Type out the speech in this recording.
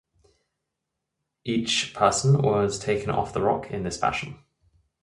Each person was taken off the rock in this fashion.